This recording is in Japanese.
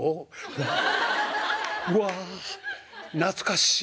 「わっわ懐かしい。